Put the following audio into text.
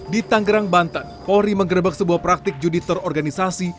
di tanggerang banten polri mengerebek sebuah praktik judi terorganisasi